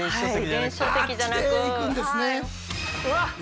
うわっ！